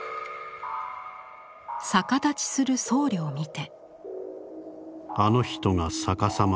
逆立ちする僧侶を見て。